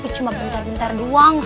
cuma bentar bentar doang